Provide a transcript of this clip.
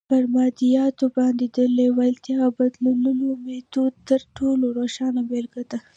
پر مادياتو باندې د لېوالتیا بدلولو د ميتود تر ټولو روښانه بېلګه ده.